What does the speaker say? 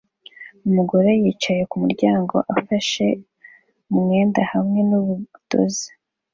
Umugore yicaye kumuryango afashe umwenda hamwe nubudozi